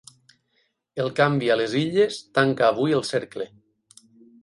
El canvi a les Illes tanca avui el cercle.